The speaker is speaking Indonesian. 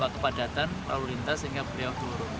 lapa kepadatan lalu lintas sehingga beriahu turun